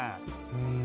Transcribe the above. うん。